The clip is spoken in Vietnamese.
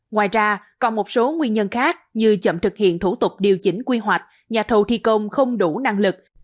ngoài ra còn một số nguyên nhân khác như chậm thực hiện thủ tục điều chỉnh quy hoạch nhà thầu thi công không đủ năng lực